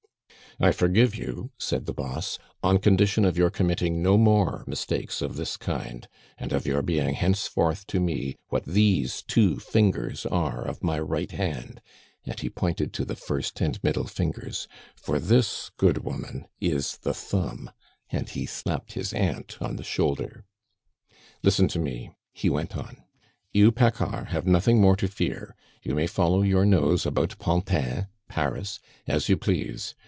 "I forgive you," said the boss, "on condition of your committing no more mistakes of this kind, and of your being henceforth to me what these two fingers are of my right hand," and he pointed to the first and middle fingers, "for this good woman is the thumb," and he slapped his aunt on the shoulder. "Listen to me," he went on. "You, Paccard, have nothing more to fear; you may follow your nose about Pantin (Paris) as you please.